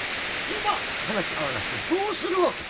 今話し合わなくてどうするわけ？